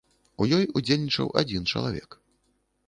У ёй удзельнічаў адзін чалавек.